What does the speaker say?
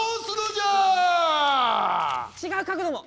違う角度も！